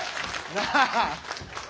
なあ。